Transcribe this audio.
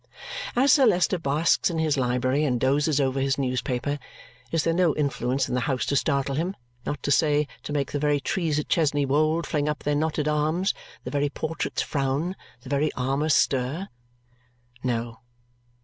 As Sir Leicester basks in his library and dozes over his newspaper, is there no influence in the house to startle him, not to say to make the very trees at Chesney Wold fling up their knotted arms, the very portraits frown, the very armour stir? No.